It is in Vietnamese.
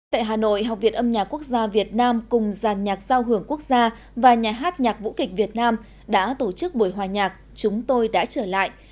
tại hà nội học viện âm nhạc quốc gia việt nam cùng giàn nhạc giao hưởng quốc gia và nhà hát nhạc vũ kịch việt nam đã tổ chức buổi hòa nhạc chúng tôi đã trở lại